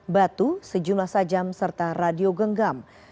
batu sejumlah sajam serta radio genggam